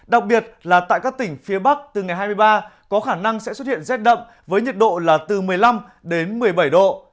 đặc biệt là tại các tỉnh phía bắc từ ngày hai mươi ba có khả năng sẽ xuất hiện rét đậm với nhiệt độ là từ một mươi năm đến một mươi bảy độ